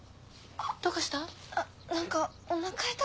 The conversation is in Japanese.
どうかした？